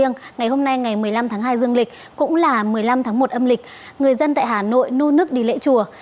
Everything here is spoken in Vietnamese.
ngày hôm nay ngày một mươi năm tháng hai dương lịch cũng là một mươi năm tháng một âm lịch người dân tại hà nội nô nước đi lễ chùa